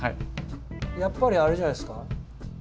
やっぱりあれじゃないですか。